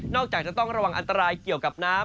จากจะต้องระวังอันตรายเกี่ยวกับน้ำ